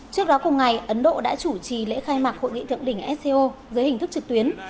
trước đó cùng ngày ấn độ đã chủ trì lễ khai mạc hội nghị thượng đỉnh sco dưới hình thức trực tuyến